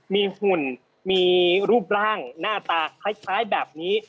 มีหุ่นมีรูปร่างหน้าตาคล้ายแบบนี้